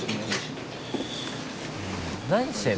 何してるの？